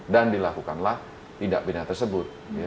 dan dilakukanlah tidak binat tersebut